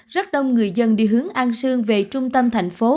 rất đông người dân đi hướng an sương về trung tâm thành phố